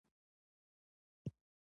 استاد بينوا د مطالعې سره ژوره مینه درلودله.